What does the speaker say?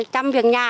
trăm việc nhà